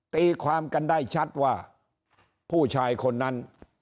ตีความกันได้ชัดว่าผู้ชายคนนั้น